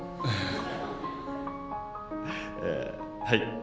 はい。